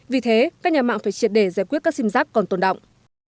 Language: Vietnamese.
vì thế các nhà mạng phải triệt để giải quyết các sim giác còn tồn động